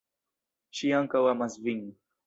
Ŝi ankaŭ amas vin.